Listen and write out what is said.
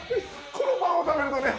このパンを食べるとね